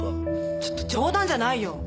ちょっと冗談じゃないよ！